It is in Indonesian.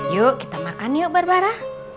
yuk kita makan yuk barbara